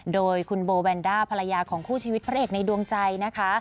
โดยคุณโบแวนด้าภรรยาของคู่ชีวิตพระเอกในดวงใจนะคะ